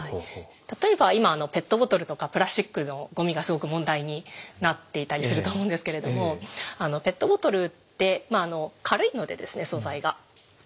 例えば今ペットボトルとかプラスチックのゴミがすごく問題になっていたりすると思うんですけれどもペットボトルってまあ軽いのでですね素材が。